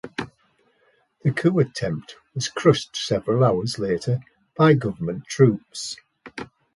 The coup attempt was crushed several hours later by government troops.